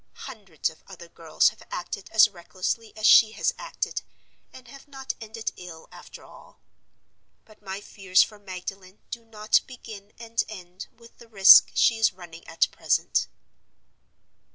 Hundreds of other girls have acted as recklessly as she has acted, and have not ended ill after all. But my fears for Magdalen do not begin and end with the risk she is running at present.